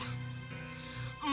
ujang dengar ya